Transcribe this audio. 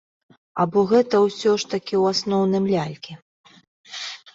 Або гэта, ўсё ж такі, у асноўным лялькі?